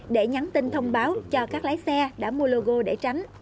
để nhắn tin thông báo cho các lái xe đã mua logo để tránh